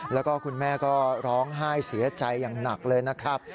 แล้วก็คุณแม่ก็ร้องไห้เสียใจอย่างหนักเลยนะครับ